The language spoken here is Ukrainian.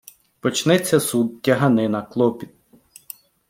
Почнеться суд, тяганина, клопіт.